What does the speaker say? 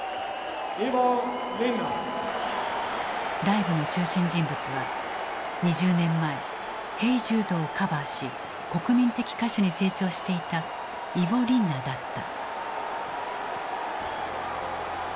ライブの中心人物は２０年前「ＨｅｙＪｕｄｅ」をカバーし国民的歌手に成長していたイヴォ・リンナだった。